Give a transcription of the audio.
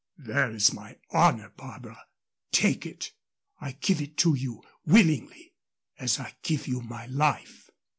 "There is my honor, Barbara. Take it. I give it to you willingly as I give you my life."